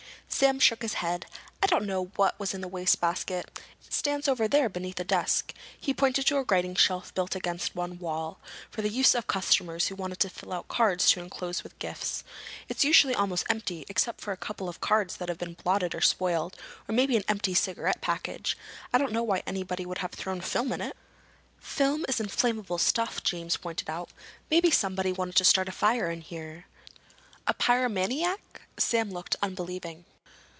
Sam shook his head. "I don't know what was in the basket. It stands over there, beneath that desk." He pointed to a writing shelf built against one wall, for the use of customers who wanted to fill out cards to enclose with gifts. "It's usually almost empty, except for a couple of cards that have been blotted or spoiled, or maybe an empty cigarette package. I don't know why anybody would have thrown film in it." "Film is inflammable stuff," James pointed out. "Maybe somebody wanted to start a fire in here." "A pyromaniac?" Sam looked unbelieving.